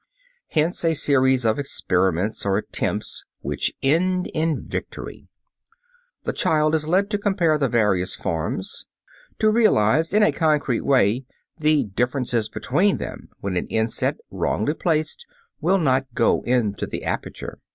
Hence a series of "experiments," of "attempts" which end in victory. The child is led to compare the various forms; to realize in a concrete way the differences between them when an inset wrongly placed will not go into the aperture.